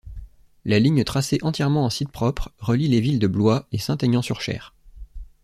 La ligne tracée entièrement en site propre, relie les villes de Blois et Saint-Aignan-sur-Cher.